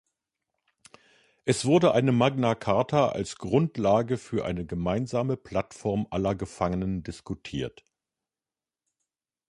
Es wurde eine Magna Charta als Grundlage für eine gemeinsame Plattform aller Gefangenen diskutiert.